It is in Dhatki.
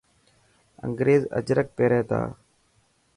انگريز اجرڪ پيري تا.